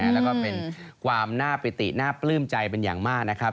แล้วก็เป็นความน่าปิติน่าปลื้มใจเป็นอย่างมากนะครับ